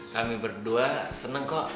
kami berdua seneng kok